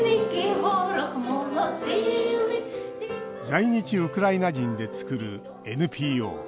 在日ウクライナ人で作るＮＰＯ。